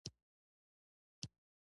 مېز د دفتر د مدیر لپاره مخصوص وي.